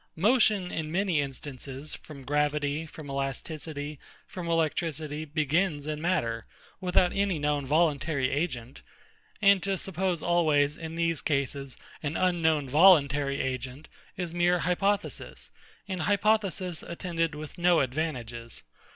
Motion, in many instances, from gravity, from elasticity, from electricity, begins in matter, without any known voluntary agent: and to suppose always, in these cases, an unknown voluntary agent, is mere hypothesis; and hypothesis attended with no advantages.